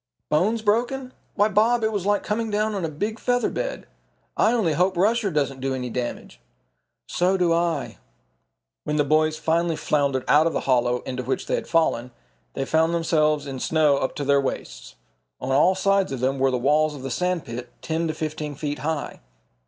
"Bones broken? Why, Bob, it was like coming down on a big feather bed. I only hope Rusher doesn't do any damage." "So do I." When the boys finally floundered out of the hollow into which they had fallen, they found themselves in snow up to their waists. On all sides of them were the walls of the sand pit, ten to fifteen feet high.